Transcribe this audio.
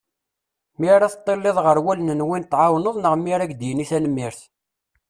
Mi ara teṭṭileḍ ɣer wallen n win tɛawneḍ neɣ mi ara ak-d-yini tanmirt.